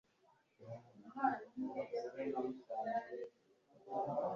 cyangwa gusuzugurana n'ababitangiye ..